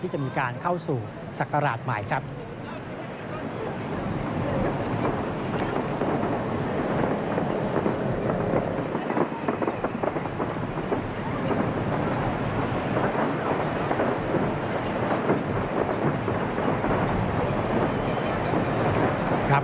จะมีการเข้าสู่ศักราชใหม่ครับ